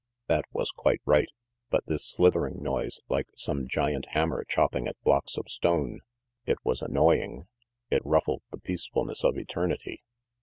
That was quite right; but this slithering noise, like some giant hammer chopping at blocks of stone it was annoying. It ruffled the peacef ulness of eternity.